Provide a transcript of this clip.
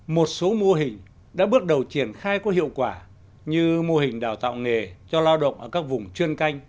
một số mô hình đã bước đầu triển khai có hiệu quả như mô hình đào tạo nghề cho lao động ở các vùng chuyên canh